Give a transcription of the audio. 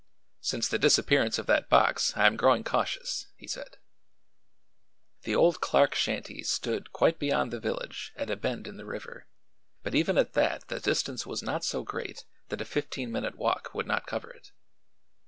"Since the disappearance of that box I am growing cautious," he said. The old Clerk shanty stood quite beyond the village at a bend in the river, but even at that the distance was not so great that a fifteen minute walk would not cover it.